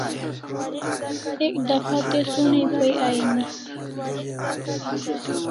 Ek dafa te sonai pai aini